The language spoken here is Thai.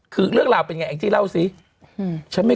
คือเรื่องราวเป็นยังไงเอ็งจิล่าวซิ